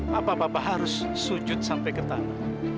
papa papa harus sujud sampai ketamu